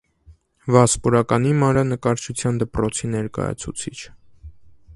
Վասպուրականի մանրանկարչության դպրոցի ներկայացուցիչ։